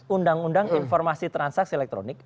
undang undang informasi transaksi elektronik